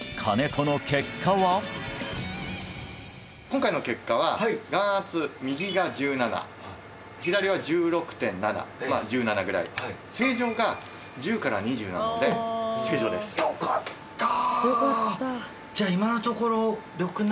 今回の結果は眼圧右が１７左は１６．７まあ１７ぐらい正常が１０から２０なので正常ですよかった！